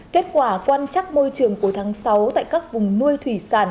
kết quả quan trắc môi trường của tháng sáu tại các vùng nuôi thủy sản